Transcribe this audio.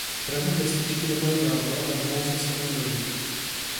Krevní destičky nemají jádro a nemohou se samy množit.